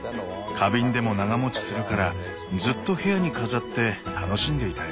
花瓶でも長もちするからずっと部屋に飾って楽しんでいたよ。